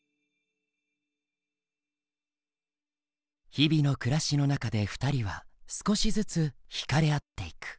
日々の暮らしの中で２人は少しずつ惹かれ合っていく。